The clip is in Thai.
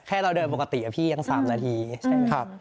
แค่เราเดินโปรกติที่ละพี่ยัง๓นาทีใช่ไหมฮะ